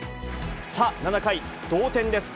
さあ、７回、同点です。